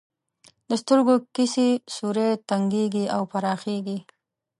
د سترګو کسي سوری تنګیږي او پراخیږي.